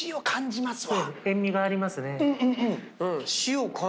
塩味がありますね。